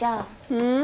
うん？